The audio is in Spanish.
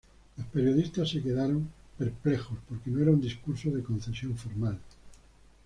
Los periodistas se quedaron perplejos, porque no era un discurso de concesión formal.